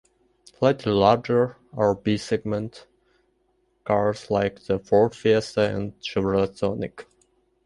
Slightly larger are B-segment cars like the Ford Fiesta and Chevrolet Sonic.